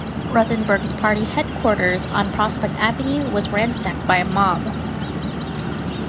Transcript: Ruthenberg's party headquarters on Prospect Avenue was ransacked by a mob.